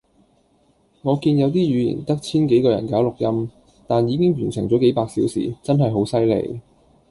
我見有啲語言得千幾個人搞錄音，但已經完成咗幾百小時，真係好犀利